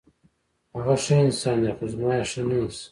هغه ښه انسان دی، خو زما یې ښه نه ایسي.